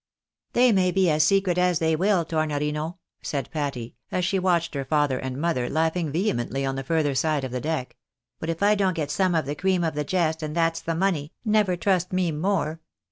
" They may be as secret as they will, Tornorino," said Patty, as she watched her father and mother laughing vehemently on the further side of the deck ;" but if I don't get some of the cream of the jest, and that's the money, never trust me more?